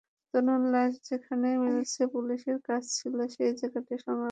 তনুর লাশ যেখানে মিলেছে, পুলিশের কাজ ছিল সেই জায়গাটা সংরক্ষণ করা।